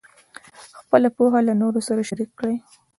خپله پوهه له نورو سره شریکه کړئ.